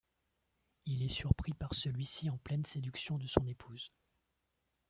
Il est surpris par celui-ci en pleine séduction de son épouse.